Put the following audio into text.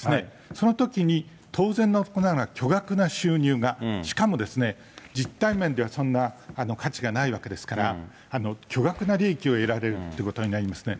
そのときに、当然のことながら、巨額な収入が、しかも実態面ではそんな価値がないわけですから、巨額な利益を得られるってことになりますね。